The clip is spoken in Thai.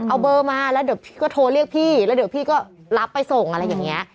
เอาเบอร์มาแล้วเดี๋ยวพี่ก็โทรเรียกพี่แล้วเดี๋ยวพี่ก็รับไปส่งอะไรอย่างนี้